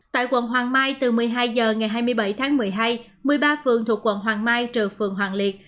tại quận hoàng mai từ một mươi hai h ngày hai mươi bảy tháng một mươi hai một mươi ba phường thuộc quận hoàng mai trừ phường hoàng liệt